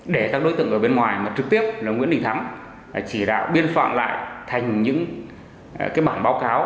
để các đối tượng ở bên ngoài mà trực tiếp là nguyễn đình thắng chỉ đạo biên phạm lại thành những bản báo cáo